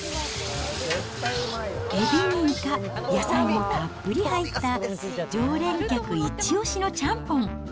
エビにイカ、野菜もたっぷり入った、常連客一押しのちゃんぽん。